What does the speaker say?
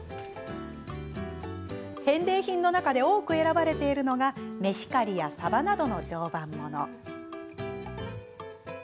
返礼品の中で多く選ばれているのがメヒカリや、さばなどの常磐もの。